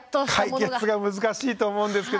解決が難しいと思うんですけども。